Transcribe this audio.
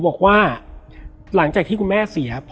แล้วสักครั้งหนึ่งเขารู้สึกอึดอัดที่หน้าอก